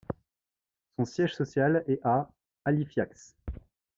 Son siège social est à Halifax.